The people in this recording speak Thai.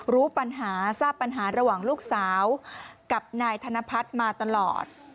รู้ปัญหาทราบปัญหาระหว่างลูกสาวกับนายธนพัฒน์มาตลอด